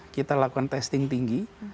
kita lakukan testing tinggi